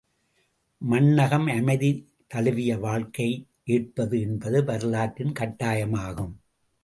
மண்ணகம் அமைதி தழுவிய வாழ்க்கையை ஏற்பது என்பது வரலாற்றின் கட்டாயமாகும்.